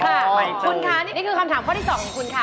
อ๋อใหม่เตยคุณคะนี่คือคำถามข้อที่สองของคุณค่ะ